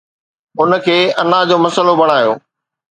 ان کي انا جو مسئلو بڻايو